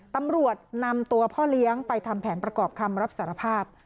ตำรวจนำตัวพ่อเลี้ยงไปทำแผนประกอบคำรับสารภาพ